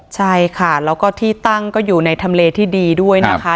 ใช่ค่ะแล้วก็ที่ตั้งก็อยู่ในทำเลที่ดีด้วยนะคะ